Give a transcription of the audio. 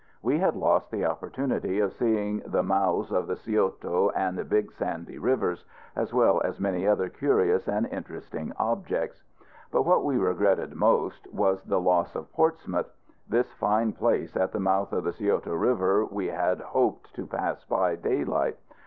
We had lost the opportunity of seeing the mouths of the Scioto and Big Sandy Rivers, as well as many other curious and interesting objects. But what we regretted most was the loss of Portsmouth. This fine place at the mouth of the Scioto River we had hoped to pass by daylight.